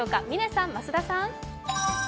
嶺さん、増田さん。